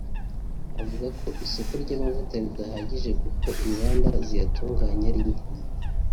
avuga ko isoko ry’amata ridahagije kuko inganda ziyatunganya ari nke